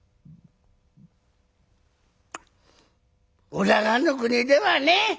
「おらがの国ではね